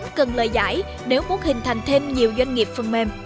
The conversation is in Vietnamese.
cần lời giải nếu muốn hình thành thêm nhiều doanh nghiệp phần mềm